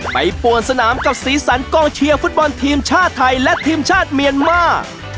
ปวนสนามกับสีสันกองเชียร์ฟุตบอลทีมชาติไทยและทีมชาติเมียนมาร์